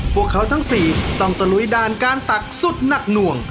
พวกเขาทั้ง๔ต้องตะลุยด่านการตักสุดหนักหน่วง